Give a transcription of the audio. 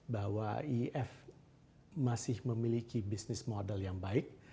bahwa if masih memiliki bisnis model yang baik